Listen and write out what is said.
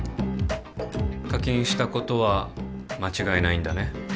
課金したことは間違いないんだね